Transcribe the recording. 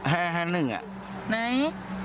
ไหน